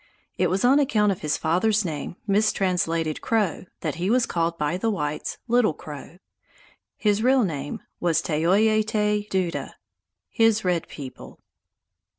It was on account of his father's name, mistranslated Crow, that he was called by the whites "Little Crow." His real name was Taoyateduta, His Red People.